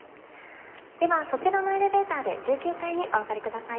ではそちらのエレベーターで１９階にお上がり下さい。